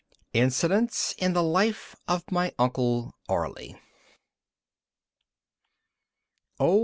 INCIDENTS IN THE LIFE OF MY UNCLE ARLY. I.